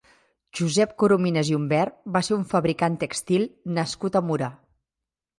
Josep Corominas i Humbert va ser un fabricant tèxtil nascut a Mura.